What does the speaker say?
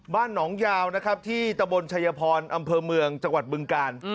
บ้านหนองยาวนะครับที่ตะบนชายพรอำเภอเมืองจังหวัดบึงกาล